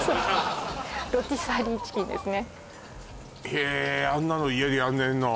へえあんなの家でやれんの？